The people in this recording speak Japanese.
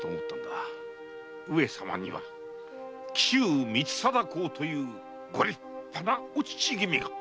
上様には紀州光貞公というご立派なお父君が。